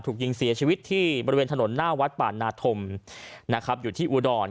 ถูกยิงเสียชีวิตที่บริเวณถนนหน้าวัดป่านาธมนะครับอยู่ที่อุดร